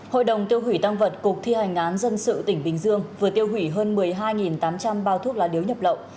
hội đồng tiêu hủy tăng vật cục thi hành án dân sự tỉnh bình dương vừa tiêu hủy hơn một mươi hai tám trăm linh bao thuốc lá điếu nhập lậu